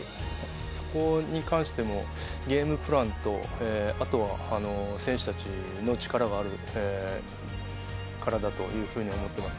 そこに関してもゲームプランとあとは選手たちの力があるからだというふうに思ってます。